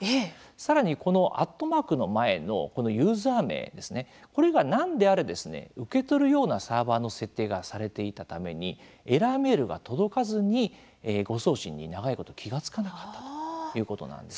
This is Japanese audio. さらに、アットマークの前のユーザー名、これが何であれ受け取るようなサーバーの設定がされていたためにエラーメールが届かずに誤送信に長いこと気が付かなかったということなんです。